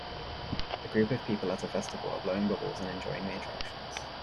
A group of people at a festival are blowing bubbles and enjoying the attractions.